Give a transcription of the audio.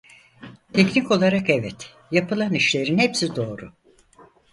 Teknik olarak evet, yapılan işlerin hepsi doğru.